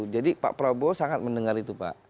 jadi pak prabowo sangat mendengar itu pak